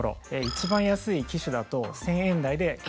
一番安い機種だと１０００円台で買えます。